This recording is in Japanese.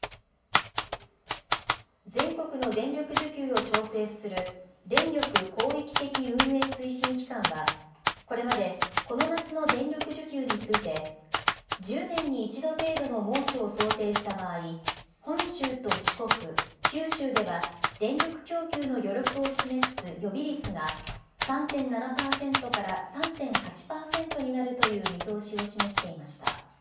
全国の電力需給を調整する、電力広域的運営推進機関は、これまで、この夏の電力需給について、１０年に１度程度の猛暑を想定した場合、本州と四国、九州では、電力供給の余力を示す予備率が、３．７％から３．８％になるという見通しを示していました。